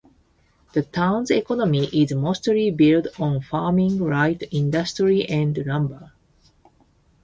The town's economy is mostly built on farming, light industry and lumber.